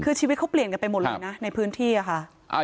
คือชีวิตเขาเปลี่ยนกันไปหมดเลยนะในพื้นที่อะค่ะ